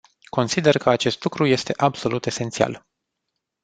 Consider că acest lucru este absolut esențial.